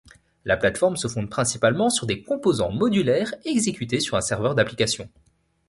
La plate-forme se fonde principalement sur des composants modulaires exécutés sur un serveur d'applications.